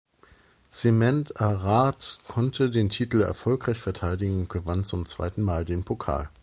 Zement Ararat konnte den Titel erfolgreich verteidigen und gewann zum zweiten Mal den Pokal.